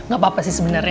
gapapa sih sebenarnya